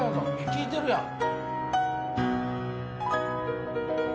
聴いてるやん。